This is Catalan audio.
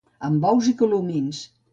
Amb ous i colomins.